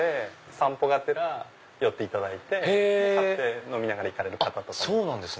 散歩がてら寄っていただいて買って飲みながら行かれる方とかも多いです。